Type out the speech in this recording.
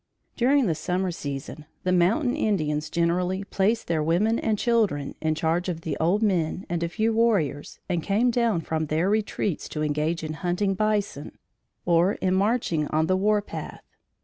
During the summer season the mountain Indians generally placed their women and children in charge of the old men and a few warriors and came down from their retreats to engage in hunting bison or in marching on the war path.